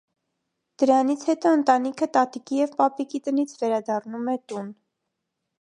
Դրանից հետո ընտանիքը տատիկի և պապիկի տնից վերադառնում է տուն։